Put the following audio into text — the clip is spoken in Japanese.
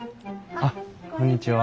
あっこんにちは。